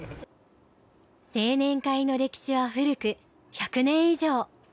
青年会の歴史は古く１００年以上。